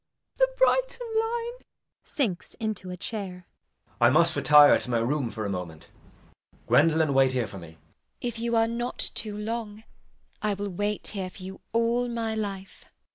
The Brighton line. [Sinks into a chair.] JACK. I must retire to my room for a moment. Gwendolen, wait here for me. GWENDOLEN. If you are not too long, I will wait here for you all my life.